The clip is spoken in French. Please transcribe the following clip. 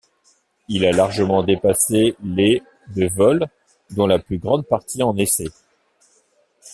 Il a largement dépassé les de vol, dont la plus grande partie en essais.